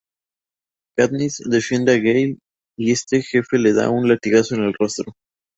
Katniss defiende a Gale y este jefe le da un latigazo en el rostro.